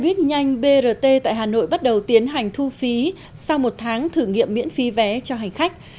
buýt nhanh brt tại hà nội bắt đầu tiến hành thu phí sau một tháng thử nghiệm miễn phí vé cho hành khách